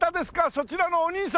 そちらのお兄様！